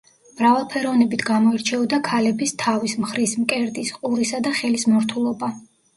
მრავალფეროვნებით გამოირჩეოდა ქალების თავის, მხრის, მკერდის, ყურისა და ხელის მორთულობა.